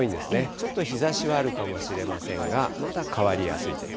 ちょっと日ざしはあるかもしれませんが、まだ変わりやすい天気。